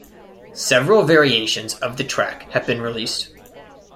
Several variations of the track have been released.